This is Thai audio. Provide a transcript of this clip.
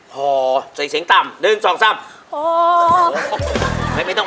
ฮอสีกลางสยุดสีคลั่ม๑๒๓